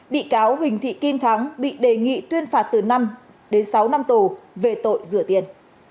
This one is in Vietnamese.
bị cáo huỳnh thị kim thắng bị đề nghị tuyên phạt từ năm đến sáu năm tù về tội rửa tiền